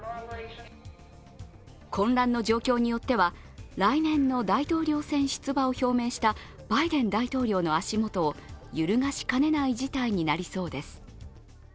混乱の状況によっては来年の大統領選出馬を表明したバイデン大統領の足元を揺るがしかねない事態になりそうです。